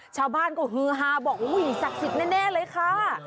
ชาวบ้านก็ฮือฮาบอกอุ้ยศักดิ์สิทธิ์แน่เลยค่ะ